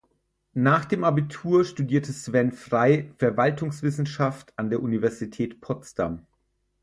Nach dem Abitur studierte Sven Frye Verwaltungswissenschaft an der Universität Potsdam.